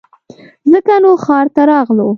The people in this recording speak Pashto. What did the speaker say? ځکه نو ښار ته راغلو